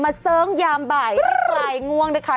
มาเซิงยามบ่ายไม่ไกลง่วงนะคะ